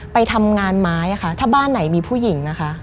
ไปทำงานไม้ค่ะถ้าบ้านไหนมีผู้หญิงนะคะ